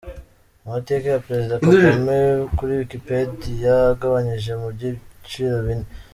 Amateka ya Perezida Kagame kuri Wikipedia agabanyije mu byiciro bine.